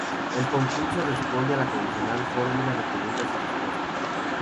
El concurso responde a la tradicional fórmula de preguntas y respuestas.